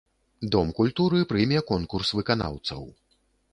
Дом культуры прыме конкурс выканаўцаў.